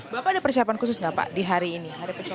bapak ada persiapan khusus nggak pak di hari ini